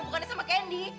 bukannya sama candy